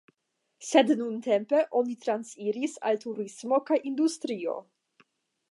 Sed nuntempe oni transiris al turismo kaj industrio.